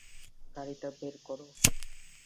গাড়িটা বের করো।